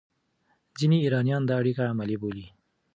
ځینې ایرانیان دا اړیکه عملي بولي.